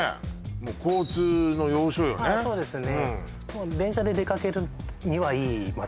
もう電車で出かけるにはいい街